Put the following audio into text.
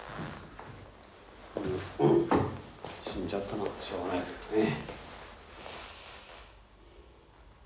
死んじゃったのはしょうがないですけどね。